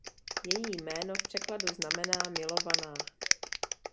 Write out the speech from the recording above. Její jméno v překladu znamená „Milovaná“.